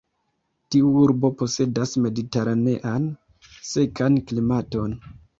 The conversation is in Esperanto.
Tiu urbo posedas mediteranean sekan klimaton.